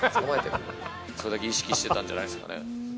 それだけ意識してたんじゃないですかね。